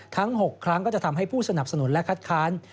ทั้ง๖ครั้งก็จะทำให้ผู้สนับสนุนและคัดค้าน